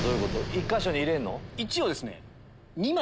１か所に入れんの？